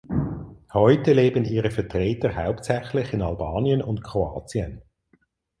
Heute leben ihre Vertreter hauptsächlich in Albanien und Kroatien.